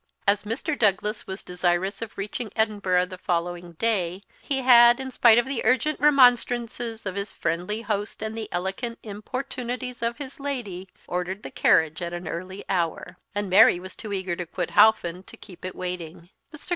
As Mr. Douglas was desirous of reaching Edinburgh the following day, he had, in spite of the urgent remonstrances of his friendly host and the elegant importunities of his lady, ordered the carriage at an early hour; and Mary was too eager to quit Howffend to keep it waiting. Mr.